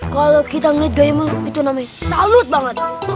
kalau kita ngeliat gayanya emang itu namanya salut banget